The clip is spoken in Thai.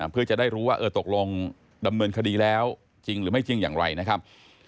เพื่อจะได้รู้ว่าตกลงดำเนินคดีแล้วจริงหรือไม่จริงอย่างไรนะครับ